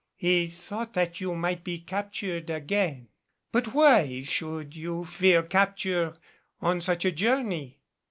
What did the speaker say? He thought that you might be captured again. But why should you fear capture on such a journey?